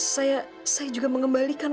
saya juga mengembalikan